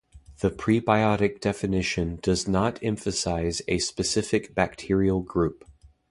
The prebiotic definition does not emphasize a specific bacterial group.